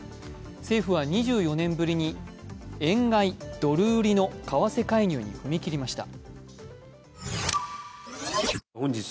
政府は２４年ぶりに円買い・ドル売りの為替介入に踏み切りました。